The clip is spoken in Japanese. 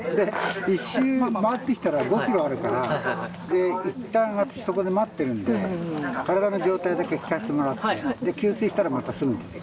１周回ってきたら、５キロあるから、で、いったん、私、そこで待ってるんで、体の状態だけ聞かせてもらって、給水したらまたすぐに。